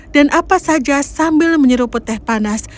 dan apa saja sambil menyeruput teh panas